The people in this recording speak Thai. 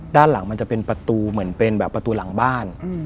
ด้านหลังมันจะเป็นประตูเหมือนเป็นแบบประตูหลังบ้าน